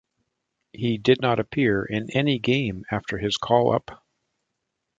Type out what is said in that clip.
He did not appear in any game after his callup.